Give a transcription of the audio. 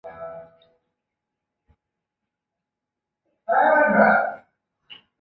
现在有从甲南分歧而出的台中港线。